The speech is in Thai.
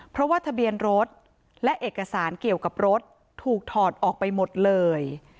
เพราะว่าทะเบียนรถและเอกสารเกี่ยวกับรถถูกถอดออกไปหมดเลย